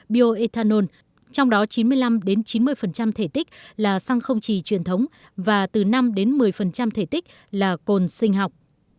bio ethanol trong đó chín mươi năm chín mươi thể tích là xăng không trì truyền thống và từ năm đến một mươi thể tích là cồn sinh học